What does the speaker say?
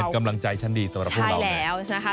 เป็นกำลังใจชั้นดีสำหรับพวกเรา